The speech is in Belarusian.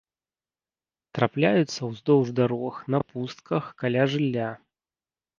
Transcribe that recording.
Трапляюцца ўздоўж дарог, на пустках, каля жылля.